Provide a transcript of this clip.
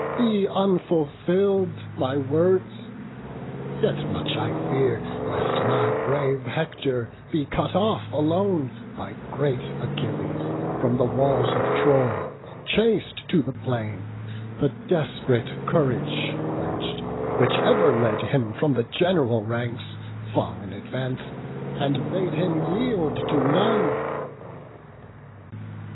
Be unfulfill'd my words! yet much I fear Lest my brave Hector be cut off alone, By great Achilles, from the walls of Troy, Chas'd to the plain, the desp'rate courage quench'd, Which ever led him from the gen'ral ranks Far in advance, and bade him yield to none."